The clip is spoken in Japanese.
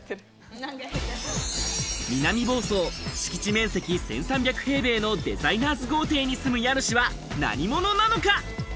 南房総、敷地面積１３００平米のデザイナーズ豪邸に住む家主は何者なのか？